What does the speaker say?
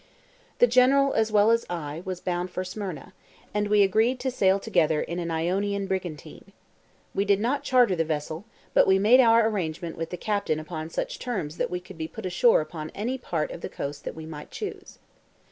The General as well as I was bound for Smyrna, and we agreed to sail together in an Ionian brigantine. We did not charter the vessel, but we made our arrangement with the captain upon such terms that we could be put ashore upon any part of the coast that we might choose.